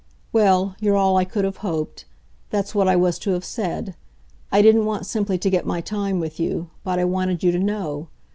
Well, you're all I could have hoped. That's what I was to have said. I didn't want simply to get my time with you, but I wanted you to know.